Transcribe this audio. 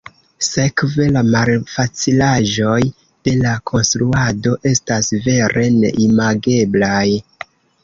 Sekve, la malfacilaĵoj de la konstruado estas vere neimageblaj.